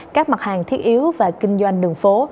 các mặt hàng thiết yếu và kinh doanh đường phố